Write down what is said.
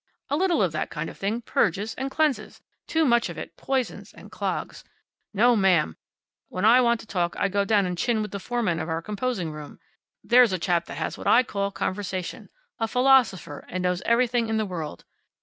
A little of that kind of thing purges and cleanses. Too much of it poisons, and clogs. No, ma'am! When I want to talk I go down and chin with the foreman of our composing room. There's a chap that has what I call conversation. A philosopher, and knows everything in the world.